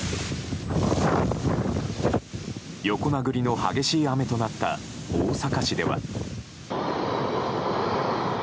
横殴りの激しい雨となった大阪市では。